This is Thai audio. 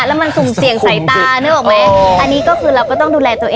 แล้วมันซุมเสี่ยงใส่ตา